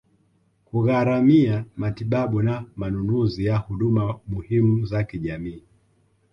kugharimia matibabu na manunuzi ya huduma muhimu za kijamii